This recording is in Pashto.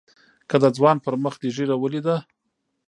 که د ځوان پر مخ دې ږيره وليده.